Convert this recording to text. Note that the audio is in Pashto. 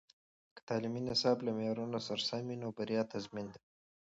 که تعلیمي نصاب له معیار سره سم وي، نو بریا تضمین ده.